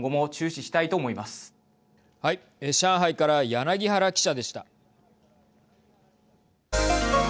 上海から柳原記者でした。